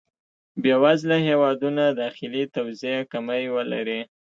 بې وزله هېوادونه داخلي توزېع کمی ولري.